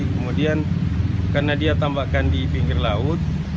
kemudian karena ditambahkan di pinggir laut